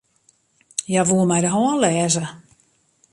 Hja woe my de hân lêze.